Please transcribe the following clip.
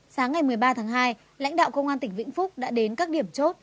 sáng ngày một mươi ba tháng hai lãnh đạo công an tỉnh vĩnh phúc đã đến các điểm chốt